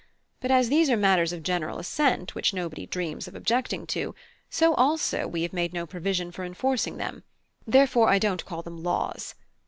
But as these are matters of general assent, which nobody dreams of objecting to, so also we have made no provision for enforcing them: therefore I don't call them laws.